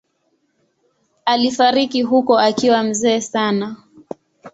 Alifariki huko akiwa mzee sana.